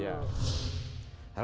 ya pelaut dulu